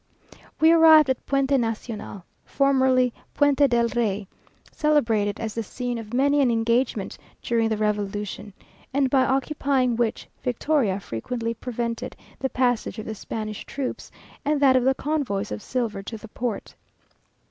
We arrived at Puente Nacional, formerly Puente del Rey, celebrated as the scene of many an engagement during the Revolution, and by occupying which, Victoria frequently prevented the passage of the Spanish troops, and that of the convoys of silver to the port.